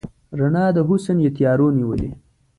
رڼا د حسن یې تیارو نیولې